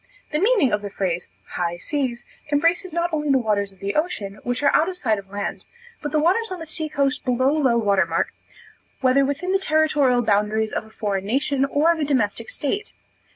The meaning of the phrase "high seas," embraces not only the waters of the ocean, which are out of sight of land, but the waters on the sea coast below low water mark, whether within the territorial boundaries of a foreign nation, or of a domestic state.